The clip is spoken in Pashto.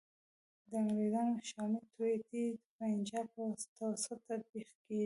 د انګریزانو شومي توطیې د پنجاب په توسط تطبیق کیږي.